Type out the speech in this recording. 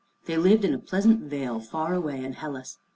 They lived in a pleasant vale far away in Hellas.